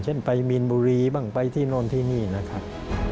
เช่นไปมีนบุรีบ้างไปที่โน่นที่นี่นะครับ